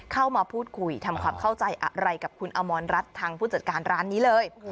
เข้ามาพูดคุยทำความเข้าใจอะไรกับคุณอมรรัฐทางผู้จัดการร้านนี้เลย